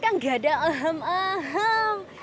rika enggak ada ahem ahem